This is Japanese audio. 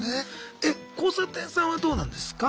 え交差点さんはどうなんですか？